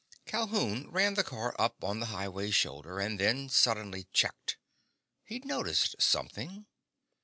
Calhoun ran the car up on the highway's shoulder, and then suddenly checked. He'd noticed something.